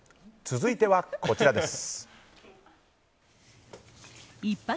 続いては、こちらです。